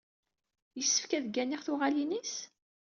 Yessefk ad gganiɣ tuɣalin-is?